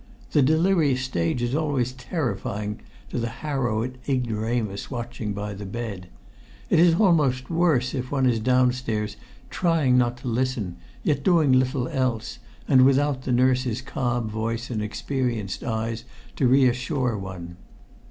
The delirious stage is always terrifying to the harrowed ignoramus watching by the bed; it is almost worse if one is downstairs, trying not to listen, yet doing little else, and without the nurse's calm voice and experienced eyes to reassure one.